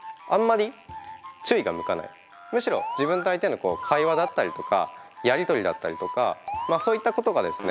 むしろ自分と相手の会話だったりとかやり取りだったりとかそういったことがですね